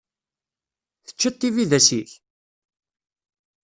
Teččiḍ tibidas-ik?